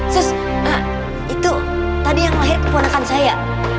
sis ini tadi yang lahir kepunakan saya